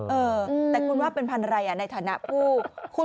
เออแต่คุณว่าเป็นพันธุ์อะไรในฐานะผู้เชี่ยวชาติ